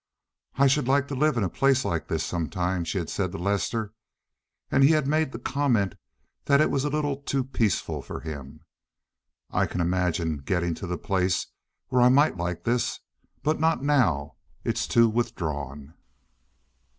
"I should like to live in a place like this some time," she had said to Lester, and he had made the comment that it was a little too peaceful for him. "I can imagine getting to the place where I might like this, but not now. It's too withdrawn."